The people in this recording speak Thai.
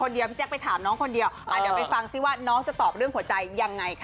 เดี๋ยวไปฟังสิว่าน้องจะตอบเรื่องหัวใจยังไงค่ะ